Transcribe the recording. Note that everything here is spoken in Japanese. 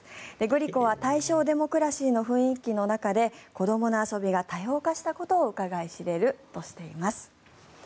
グリコは大正デモクラシーの雰囲気の中で子どもの遊びが多様化したことをうかがい知れるとしています。